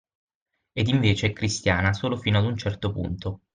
Ed invece è cristiana solo fino ad un certo punto.